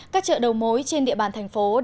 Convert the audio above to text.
các chợ đầu mối trên địa bàn thành phố